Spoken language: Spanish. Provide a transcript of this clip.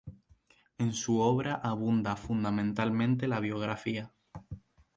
En su obra abunda fundamentalmente la biografía.